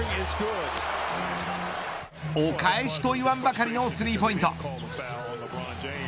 お返しと言わんばかりのスリーポイント。